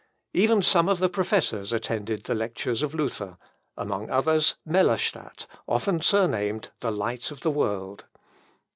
Even some of the professors attended the lectures of Luther, among others, Mellerstadt, often surnamed, "The Light of the World."